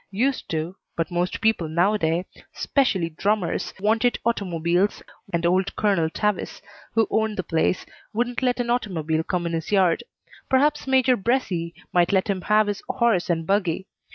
Used to, but most people nowaday, specially drummers, wanted automobiles, and old Colonel Tavis, who owned the place, wouldn't let an automobile come in his yard. Perhaps Major Bresee might let him have his horse and buggy.